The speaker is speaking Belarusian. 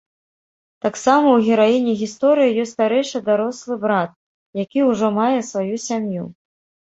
Таксама ў гераіні гісторыі ёсць старэйшы дарослы брат, які ўжо мае сваю сям'ю.